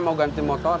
bisa kena ganti motor